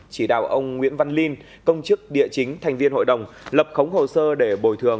chỉ đạo ông nguyễn văn linh công chức địa chính thành viên hội đồng lập khống hồ sơ để bồi thường